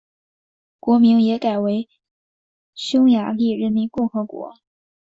国名也改为匈牙利人民共和国。